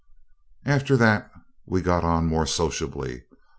After that we got on more sociably.